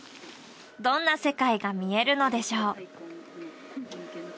どんな世界が見えるのでしょう？